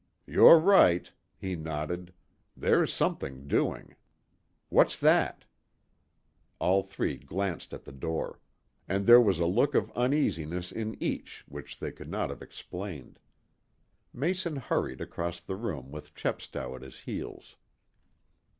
"You're right," he nodded. "There's something doing. What's that?" All three glanced at the door. And there was a look of uneasiness in each which they could not have explained. Mason hurried across the room with Chepstow at his heels.